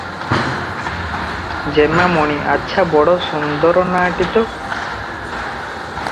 "ଯେମାମଣି! ଆଚ୍ଛା ବଡ ସୁନ୍ଦର ନାଁ ଟି ତ?